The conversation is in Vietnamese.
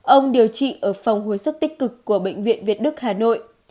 ông điều trị ở phòng hồi sức tích cực của bệnh viện việt đức hà nội